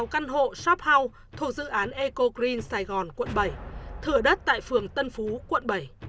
sáu căn hộ shop house thuộc dự án eco green sài gòn quận bảy thửa đất tại phường tân phú quận bảy